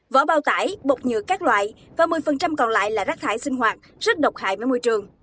vỏ bao tải bột nhựa các loại và một mươi còn lại là rác thải sinh hoạt rất độc hại với môi trường